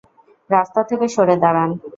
রাস্তা থেকে সরে দাঁড়ান!